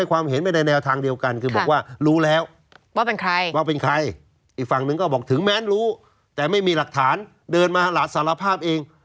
ว่าเป็นใครอีกฝั่งหนึ่งก็บอกถึงแม้นรู้แต่ไม่มีหลักฐานเดินมาหลัดสารภาพเอง